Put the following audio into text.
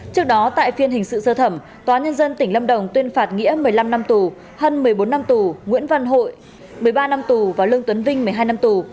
trước đó tại phiên hình sự sơ thẩm tòa nhân dân tỉnh lâm đồng tuyên phạt nghĩa một mươi năm năm tù hân một mươi bốn năm tù nguyễn văn hội một mươi ba năm tù và lương tuấn vinh một mươi hai năm tù